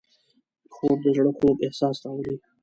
خوب د زړه خوږ احساس راولي